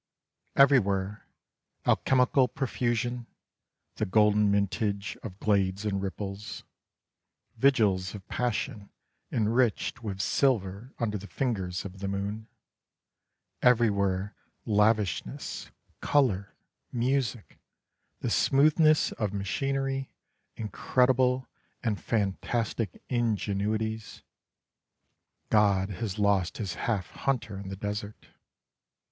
Everywhere alchemical profusion — the golden mintage of glades and ripples, vigils of passion enriched with silver under the fingers of the moon ; everywhere lavishness, colour, music ; the smoothness of machinery, incredible and fantastic ingenuities. God has lost his half hunter in the desert.